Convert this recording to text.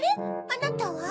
あなたは？